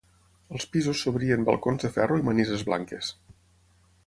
Als pisos s'obrien balcons de ferro i manises blanques.